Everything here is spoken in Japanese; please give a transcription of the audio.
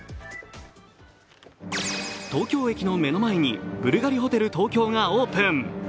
東京駅の目の前にブルガリホテル東京がオープン。